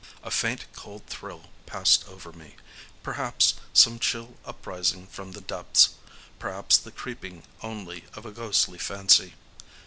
A faint cold thrill passed over me,—perhaps some chill uprising from the depths,—perhaps the creeping only of a ghostly fancy.